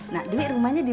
neng sendirian aja